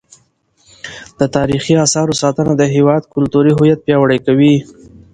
د تاریخي اثارو ساتنه د هیواد کلتوري هویت پیاوړی کوي.